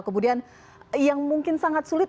kemudian yang mungkin sangat sulit